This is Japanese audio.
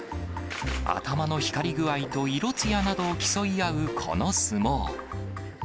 頭の光り具合と色つやなどを競い合うこの相撲。